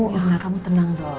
rena kamu tenang dong